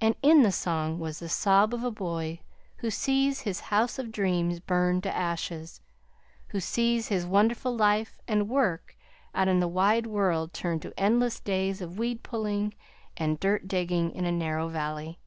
And in the song was the sob of a boy who sees his house of dreams burn to ashes; who sees his wonderful life and work out in the wide world turn to endless days of weed pulling and dirt digging in a narrow valley.